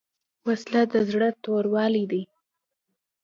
وسله د زړه توروالی دی